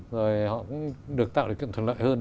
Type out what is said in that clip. rồi họ cũng được tạo điều kiện thuận lợi hơn